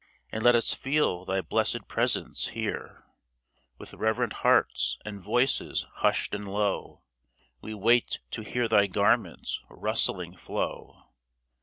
And let us feel thy blessed presence here ! With reverent hearts and voices hushed and low, We wait to hear thy garments' rustling flow